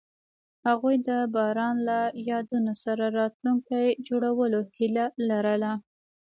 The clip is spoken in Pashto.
هغوی د باران له یادونو سره راتلونکی جوړولو هیله لرله.